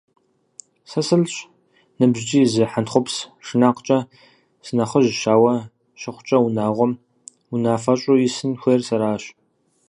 Сэ сылӏщ, ныбжькӏи зы хьэнтхъупс шынакъкӏэ сынэхъыжьщ, ауэ щыхъукӏэ, унагъуэм унафэщӏу исын хуейр сэращ.